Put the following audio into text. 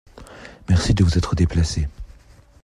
Merci de vous être déplacée.